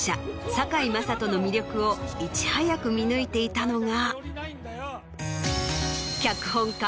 堺雅人の魅力をいち早く見抜いていたのが。